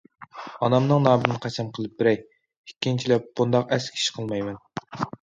ئانامنىڭ نامىدىن قەسەم قىلىپ بېرەي، ئىككىنچىلەپ بۇنداق ئەسكى ئىش قىلمايمەن.